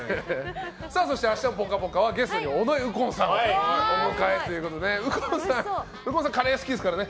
明日の「ぽかぽか」はゲストの尾上右近さんをお迎えということで右近さんカレーが好きですからね。